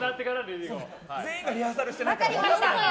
全員がリハーサルしてないから。